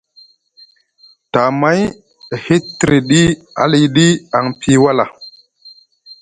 Tamay e hitriɗi aliɗi aŋ piyi wala,